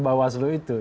bahwa seluruh itu